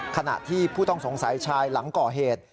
ขณะที่ผู้ต้องสงสัยชายหลังก่อเหตุ